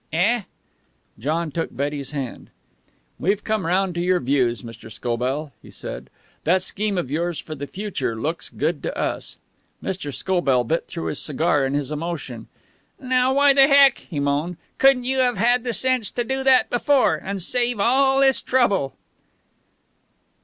"Eh?" John took Betty's hand. "We've come round to your views, Mr. Scobell," he said. "That scheme of yours for our future looks good to us." Mr. Scobell bit through his cigar in his emotion. "Now, why the Heck," he moaned, "couldn't you have had the sense to do that before, and save all this trouble?"